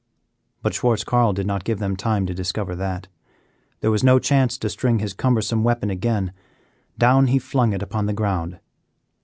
But Schwartz Carl did not give them time to discover that; there was no chance to string his cumbersome weapon again; down he flung it upon the ground.